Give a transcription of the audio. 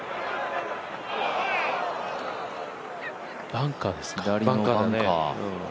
バンカーですか。